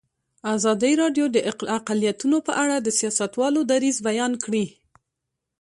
ازادي راډیو د اقلیتونه په اړه د سیاستوالو دریځ بیان کړی.